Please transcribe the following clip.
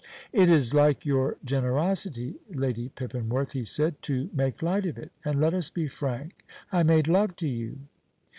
"It is like your generosity, Lady Pippinworth," he said, "to make light of it; but let us be frank: I made love to you."